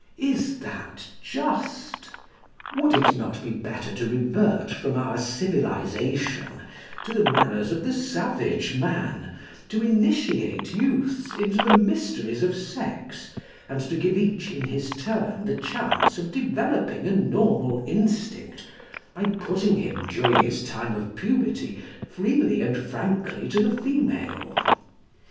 Is that just? Would it not be better to revert from our civilisation to the manners of the savage man to initiate youths into the mysteries of sex, and to give each in his turn the chance of developing a normal instinct by putting him during his time of puberty freely and frankly to the female?